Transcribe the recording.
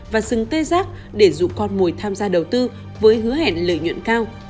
và sừng tê giác để dụ con mồi tham gia đầu tư với hứa hẹn lợi nhuận cao